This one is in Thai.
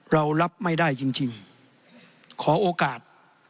เรารับไม่ได้จริงขอโอกาส